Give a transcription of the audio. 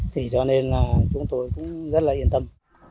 thì cho nên là chúng tôi cũng rất là yên tâm